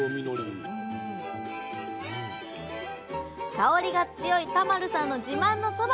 香りが強い田丸さんの自慢のそば